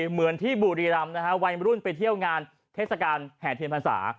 เหมือนที่บุรีรำนะฮะวัยรุ่นไปเที่ยวงานเทศกาลแห่เทียนพรรษา